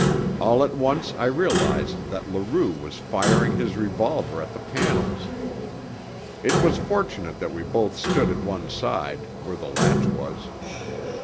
All at once I realized that Leroux was firing his revolver at the panels. It was fortunate that we both stood at one side, where the latch was.